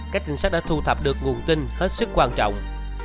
các trinh sát đã thu thập được nguồn tin hết sức quan trọng